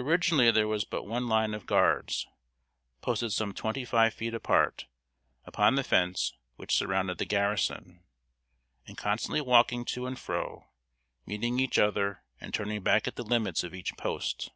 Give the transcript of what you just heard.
Originally there was but one line of guards posted some twenty five feet apart, upon the fence which surrounded the garrison, and constantly walking to and fro, meeting each other and turning back at the limits of each post.